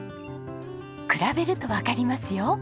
比べるとわかりますよ。